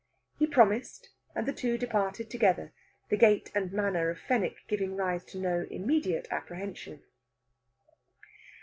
He promised, and the two departed together, the gait and manner of Fenwick giving rise to no immediate apprehension.